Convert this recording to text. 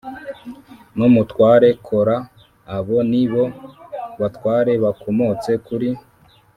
n umutware Kora Abo ni bo batware bakomotse kuri